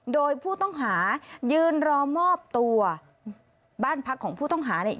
โดยผู้ต้องหายืนรอมอบตัวบ้านพักของผู้ต้องหาเนี่ย